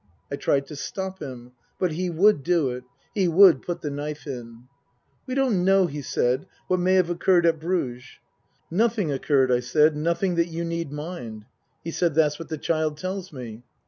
I tried to stop him, but he would do it, he would put the knife in. " We don't know," he said, " what may have occurred at Bruges." " Nothing occurred," I said, " nothing that you need mind." He said, " That's what the child tells me."